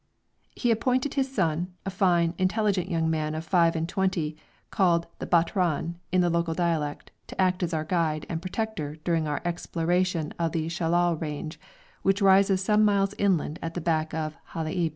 He appointed his son, a fine, intelligent young fellow of five and twenty, called the batran in the local dialect, to act as our guide and protector during our exploration of the Shellal range, which rises some miles inland at the back of Halaib.